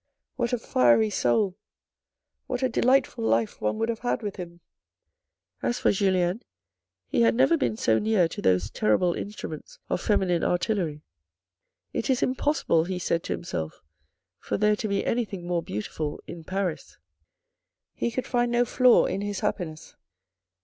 " What a fiery soul ! What a deh'ghtful life one would have with him ?" As for Julien, he had never been so near to those terrible instruments of feminine artillery. " It is impossible," he said to himself "for there to be anything more beautiful in Paris." He could find no flaw in his happiness.